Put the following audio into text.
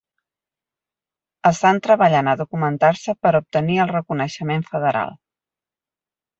Estan treballant a documentar-se per a obtenir el reconeixement federal.